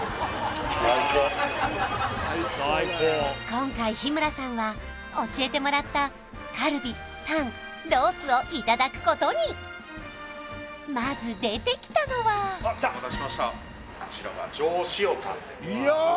今回日村さんは教えてもらったカルビタンロースをいただくことにまず出てきたのはお待たせしましたこちらがやあ